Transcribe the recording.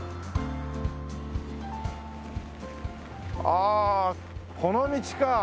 ああこの道か。